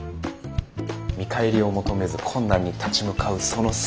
見返りを求めず困難に立ち向かうその姿。